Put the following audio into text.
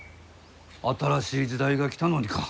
新しい時代が来たのにか？